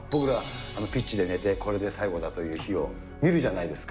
ピッチでねて、これで最後だという日を見るじゃないですか。